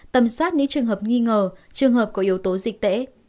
tầm soát những trường hợp nghi ngờ trường hợp có yếu tố dịch tễ